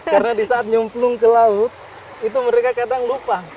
karena di saat nyemplung ke laut itu mereka kadang lupa